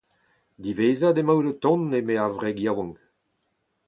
Diwezhat emaout o tont, eme ar wreg yaouank.